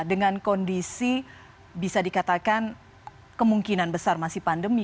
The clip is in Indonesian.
dengan kondisi bisa dikatakan kemungkinan besar masih pandemi